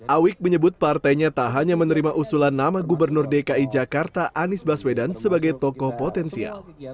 awik menyebut partainya tak hanya menerima usulan nama gubernur dki jakarta anies baswedan sebagai tokoh potensial